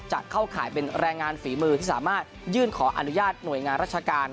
จะเข้าข่ายเป็นแรงงานฝีมือที่สามารถยื่นขออนุญาตหน่วยงานราชการ